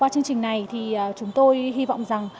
chương trình này thì chúng tôi hy vọng rằng